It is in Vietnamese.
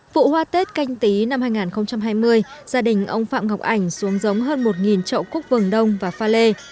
vụ hoa tết canh tí năm hai nghìn hai mươi gia đình ông phạm ngọc ảnh xuống giống hơn một trậu cúc vườn đông và pha lê